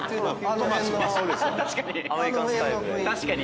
確かに。